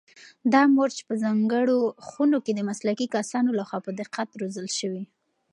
دا مرچ په ځانګړو خونو کې د مسلکي کسانو لخوا په دقت روزل شوي.